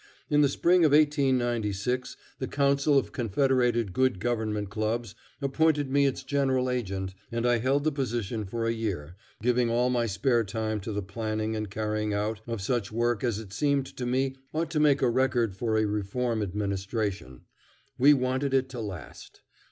In the spring of 1896, the Council of Confederated Good Government Clubs appointed me its general agent, and I held the position for a year, giving all my spare time to the planning and carrying out of such work as it seemed to me ought to make a record for a reform administration. We wanted it to last.